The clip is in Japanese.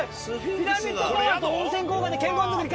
「ピラミッドパワーと温泉効果で健康づくり」。